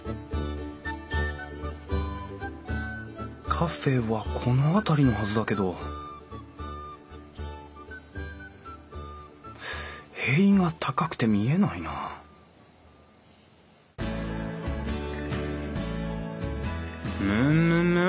カフェはこの辺りのはずだけど塀が高くて見えないなむむむっ！